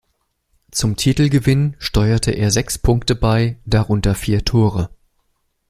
Zum Titelgewinn steuerte er sechs Punkte bei, darunter vier Tore.